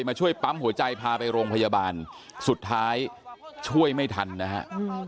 ช่วยปั๊มหัวใจพาไปโรงพยาบาลสุดท้ายช่วยไม่ทันนะฮะ